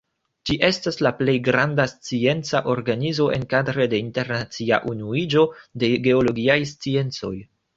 Ĝi estas la plej granda scienca organizo enkadre de Internacia Unuiĝo de Geologiaj Sciencoj.